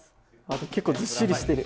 結構ずっしりしてる。